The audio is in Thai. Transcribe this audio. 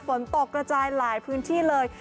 ฝนตกกระจายหลายพื้นที่เลย